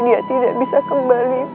dia tidak bisa kembali